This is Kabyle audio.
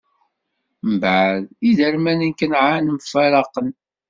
Mbeɛd, iderman n Kanɛan mfaṛaqen.